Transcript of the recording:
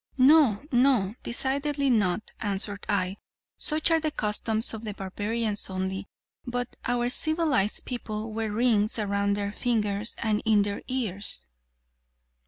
"No, no; decidedly not," answered I, "such are the customs of the barbarians only, but our civilized people wear rings around their fingers and in their ears."